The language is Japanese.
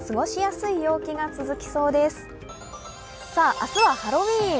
明日はハロウィーン。